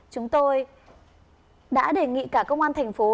chúng tôi đã đề nghị cả công an thành phố